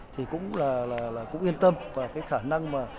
thì cũng yên tâm và cái khả năng mà